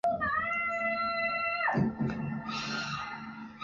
这一任职是司法院副院长洪寿南向院长黄少谷推荐的结果。